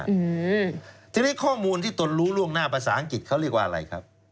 ความผิดเกี่ยวข้อมูลที่ตนลูล่วงหน้าประศารัฐอังกฤษเขาเรียกว่าอะไรครับ